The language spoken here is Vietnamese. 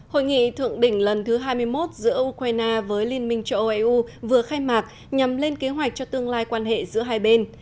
hội nghị thượng đỉnh lần thứ hai mươi một giữa ukraine với liên minh châu âu eu vừa khai mạc nhằm lên kế hoạch cho tương lai quan hệ giữa hai bên